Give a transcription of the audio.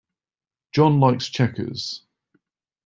John likes checkers.